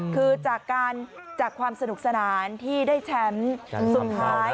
คือจากการจากความสนุกสนานที่ได้แชมป์สุดท้าย